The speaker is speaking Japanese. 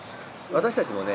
私たちもね